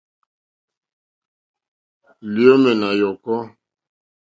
Lyǒmɛ̀ nà yɔ̀kɔ́.